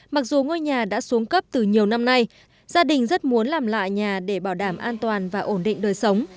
mặc dù ngôi nhà đã xuống cấp từ nhiều năm nay gia đình rất muốn làm lại nhà để bảo đảm an toàn và ổn định đời sống